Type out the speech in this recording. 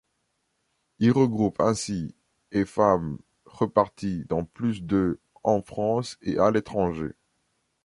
Il regroupe ainsi et femmes répartis dans plus de en France et à l’étranger.